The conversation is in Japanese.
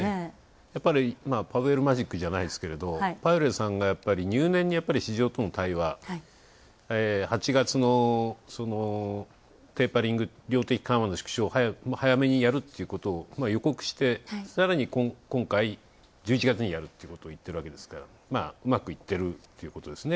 やっぱり、パウエルマジックじゃないですけど、パウエルさんが入念に市場との対話、８月のテーパリング、量的緩和の縮小を早めにやるということを予告して、さらに今回、１１月にやるっていうことを言っているわけですから、うまくいっているということですね。